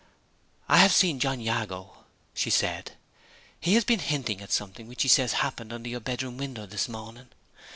"I have seen John Jago," she said. "He has been hinting at something which he says happened under your bedroom window this morning.